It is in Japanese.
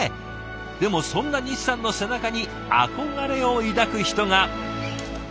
でもそんな西さんの背中に憧れを抱く人が。